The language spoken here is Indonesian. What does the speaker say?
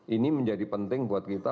ini menjadi penting buat kita